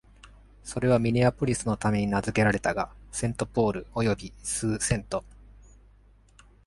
それはミネアポリスのために名付けられたが、セント・ポールおよびスー・セント